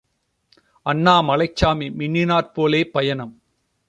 அண்ணாமலைச் சாமி மின்னினாற் போலே பயணம்.